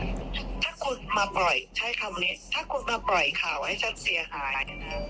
ถ้าคุณมาปล่อยข่าวให้ฉันเสียหาย